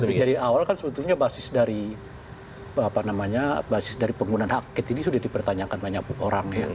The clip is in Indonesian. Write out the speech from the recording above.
dari awal kan sebetulnya basis dari penggunaan hak angket ini sudah dipertanyakan banyak orang